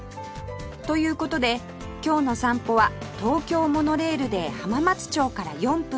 という事で今日の散歩は東京モノレールで浜松町から４分の天王洲アイル